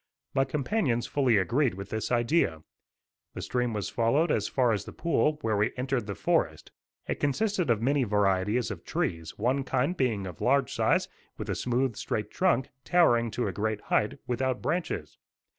My companions fully agreed with this idea. The stream was followed as far as the pool, where we entered the forest. It consisted of many varieties of trees, one kind being of large size, with a smooth, straight trunk, towering to a great height, without branches.